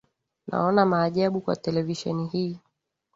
Naona maajabu kwa televisheni hii.